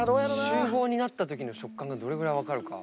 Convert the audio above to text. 集合になったときの食感がどれぐらい分かるか。